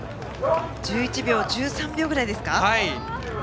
１１秒１３秒ぐらいですか。